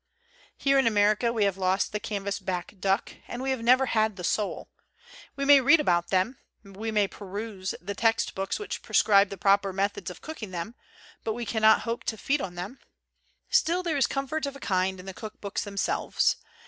Here in America we have lost the canvas back duck; and we have never had the sole. We may read about them; we may peruse the text 200 COSMOPOLITAN COOKERY books which prescribe the proper methods of cooking them; but we cannot hope to feed on them. Still, there is comfort of a kind in the cook books themselves.